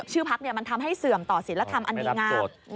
ชื่อพักมันทำให้เสื่อมต่อศิลธรรมอันดีงาม